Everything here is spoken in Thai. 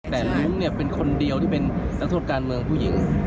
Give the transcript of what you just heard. แต่ลุงเนี่ยเป็นคนเดียวที่เป็นนักโทษการเมืองผู้หญิง